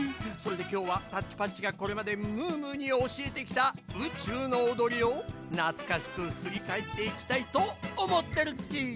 それできょうはタッチパッチがこれまでムームーにおしえてきたうちゅうのおどりをなつかしくふりかえっていきたいとおもってるっち。